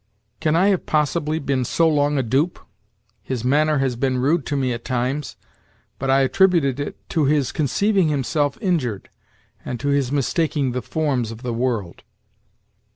"Can I have possibly been so long a dupe? His manner has been rude to me at times, but I attributed it to his conceiving himself injured, and to his mistaking the forms of the world."